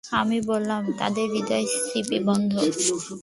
আমি বললাম, তাদের হৃদয় ছিপিবদ্ধ।